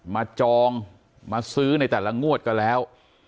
จองมาซื้อในแต่ละงวดก็แล้ว